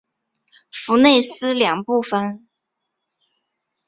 弗内斯两部分。